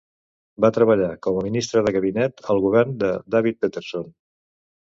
Va treballar com a ministre de gabinet al govern de David Peterson.